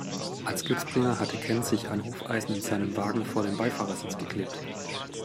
Als Glücksbringer hatte Ken sich ein Hufeisen in seinem Wagen vor den Beifahrersitz geklebt.